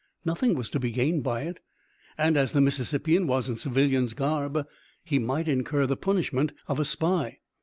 Nothing was to be gained by it, and, as the Mississippian was in civilian's garb, he might incur the punishment of a spy.